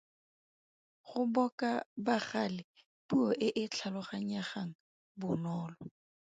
Go boka bagale Puo e e tlhaloganyegang bonolo.